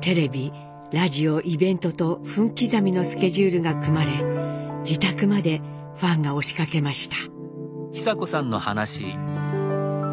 テレビラジオイベントと分刻みのスケジュールが組まれ自宅までファンが押しかけました。